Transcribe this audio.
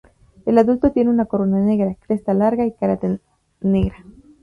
El adulto tiene una corona negra, cresta larga y cara de negra.